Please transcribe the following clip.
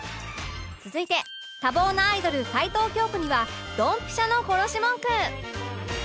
続いて多忙なアイドル齊藤京子にはドンピシャの殺し文句